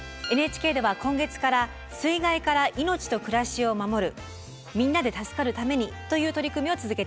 ＮＨＫでは今月から「水害から命と暮らしを守るみんなで助かるために」という取り組みを続けています。